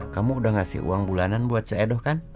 kamu udah ngasih uang bulanan buat c e doh kan